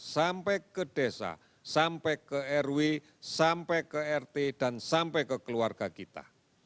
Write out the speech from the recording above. sampai ke desa sampai ke rw sampai ke rt dan sampai ke keluarga kita